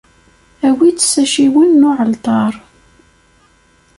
Awit-tt s acciwen n uɛalṭar.